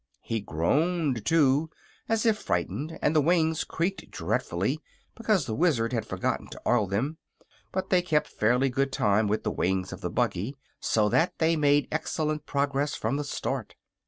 He groaned, too, as if frightened, and the wings creaked dreadfully because the Wizard had forgotten to oil them; but they kept fairly good time with the wings of the buggy, so that they made excellent progress from the start.